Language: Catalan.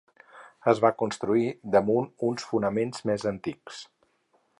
Es va construir damunt uns fonaments més antics.